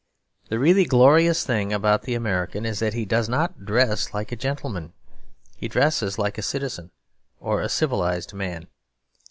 The really glorious thing about the American is that he does not dress like a gentleman; he dresses like a citizen or a civilised man.